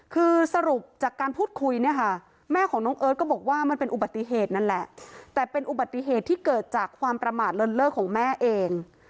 คือสรุปจากการพูดคุยเนี่ยค่ะแม่ของน้องเอิร์ทก็บอกว่ามันเป็นอุบัติเหตุนั่นแหละแต่เป็นอุบัติเหตุที่เกิดจากความประมาทเลินเลิกของแม่เอง